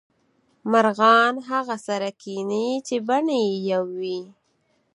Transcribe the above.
مرغان هغه سره کینې چې بڼې یو وې